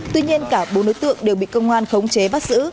tuy nhiên cả bốn đối tượng đều bị công an khống chế bắt giữ